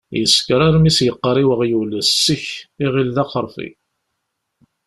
Yeskeṛ armi s-yeqqar i weɣyul “ssek”, iɣill d axerfi.